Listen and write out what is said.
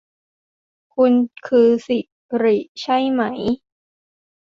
คุณคือสิริใช่ไหม